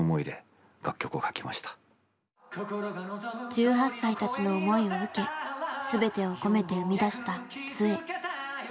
１８歳たちの思いを受け全てを込めて生み出した杖。